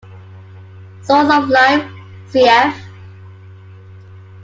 "Source of Life", cf.